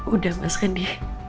udah mas redi